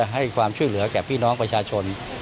ให้ความช่วยเหลือแก่พี่น้องประชาชน